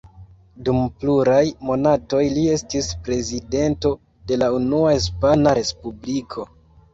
Dum pluraj monatoj li estis prezidento de la Unua Hispana Respubliko.